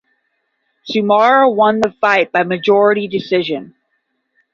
Tsumura won the fight by majority decision.